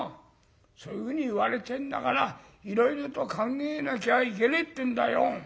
そういうふうに言われてんだからいろいろと考えなきゃいけねえってんだよ。